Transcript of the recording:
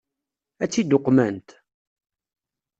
Ad tt-id-uqment?